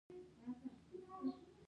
د غالۍ اوبدلو صنعت بیا ژوندی شو؟